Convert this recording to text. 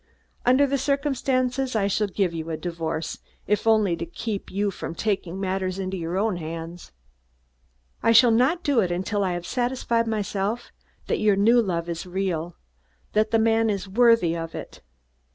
Under the circumstances, I shall give you a divorce, if only to keep you from taking matters into your own hands. But I shall not do it until I have satisfied myself that your new love is real, that the man is worthy of it.